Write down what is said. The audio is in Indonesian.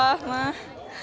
makasih banyak sudah jadi ini